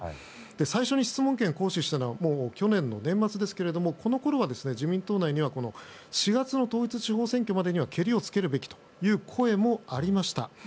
最初に質問権を行使したのは去年の年末ですけどもこの頃は自民党内には４月の統一地方選挙までにはけりをつけるべきという声もありました。